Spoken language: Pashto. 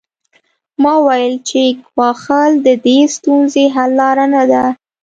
ما وویل چې ګواښل د دې ستونزې حل لاره نه ده